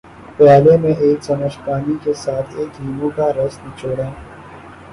پیالے میں ایک چمچ پانی کے ساتھ ایک لیموں کا رس نچوڑیں